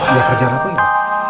ya kerjaan aku ya